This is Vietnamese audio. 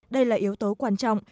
đây là yếu tố quan trọng